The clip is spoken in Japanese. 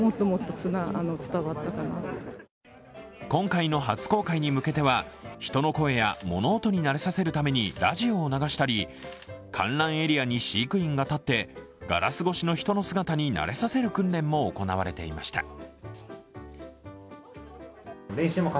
今回の初公開に向けては人の声や物音に慣れさせるためにラジオを流したり、観覧エリアに飼育員が立って、ガラス越しの人の姿になれさせる訓練も行われていました。